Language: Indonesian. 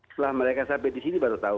setelah mereka sampai di sini baru tahu